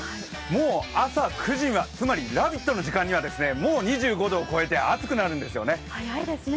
もう朝９時は、つまり「ラヴィット！」の時間にはもう２５度を超えて暑くなるんですよね。